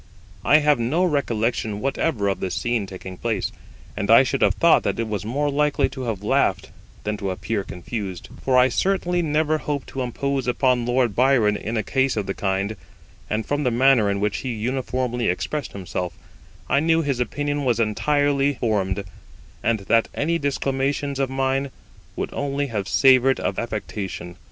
I have no recollection whatever of this scene taking place, and I should have thought that I was more likely to have laughed than to appear confused, for I certainly never hoped to impose upon Lord Byron in a case of the kind; and from the manner in which he uniformly expressed himself, I knew his opinion was entirely formed, and that any disclamations of mine would only have savoured of affectation.